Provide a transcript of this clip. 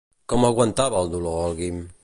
Com aguantava el dolor el Guim?